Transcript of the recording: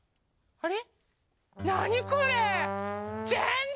あれ？